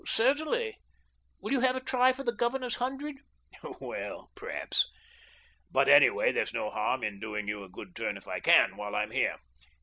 " Certainly. Will you have a try for the governor's hundred?" 172 THE DOBBINGTON DEED BOX " Well, perhaps. But anyway there's no harm in doing you a good turn if I can, while I'm here.